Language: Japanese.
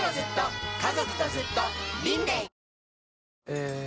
え